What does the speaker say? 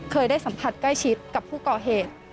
เคยได้สัมผัสใกล้ชิดกับผู้ก่อเหตุ